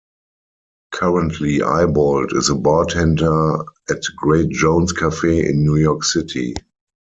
Currently Ibold is a bartender at "Great Jones Cafe" in New York City.